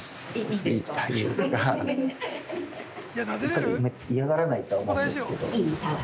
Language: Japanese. たぶん嫌がらないとは思うんですけど。